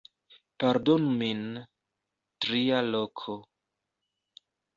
Pardonu min... tria loko